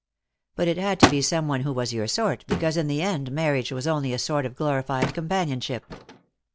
But it had to be some one who was your sort, because in the end marriage was only a sort of glorified companionship.